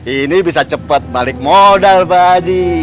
ini bisa cepet balik modal pak aji